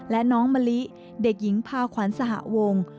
และน้องมะลิเด็กหญิงพาขวัญสหวง